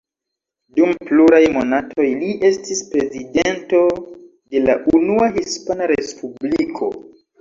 Dum pluraj monatoj li estis prezidento de la Unua Hispana Respubliko.